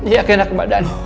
iya gak enak badan